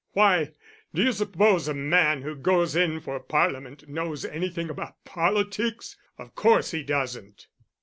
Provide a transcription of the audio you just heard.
Why, d'you suppose a man who goes in for parliament knows anything about politics? Of course he doesn't."